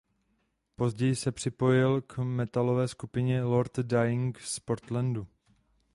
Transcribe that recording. Později se připojil k metalové skupině Lord Dying z Portlandu.